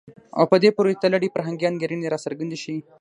او په دې پورې تړلي فرهنګي انګېرنې راڅرګندې شي.